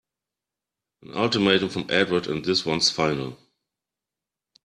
An ultimatum from Edward and this one's final!